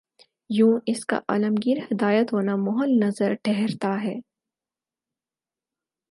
یوں اس کا عالمگیر ہدایت ہونا محل نظر ٹھہرتا ہے۔